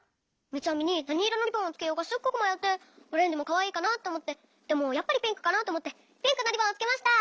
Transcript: みつあみになにいろのリボンをつけようかすっごくまよってオレンジもかわいいかなっておもってでもやっぱりピンクかなっておもってピンクのリボンをつけました。